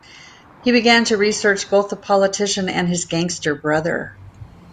He began to research both the politician and his gangster brother.